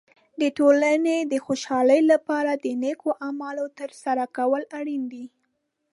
د ټولنې د خوشحالۍ لپاره د نیکو اعمالو تر سره کول اړین دي.